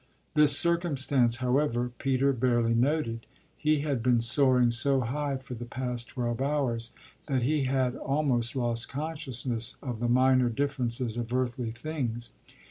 This circumstance, however, Peter barely noted: he had been soaring so high for the past twelve hours that he had almost lost consciousness of the minor differences of earthly things.